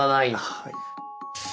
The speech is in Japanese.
はい。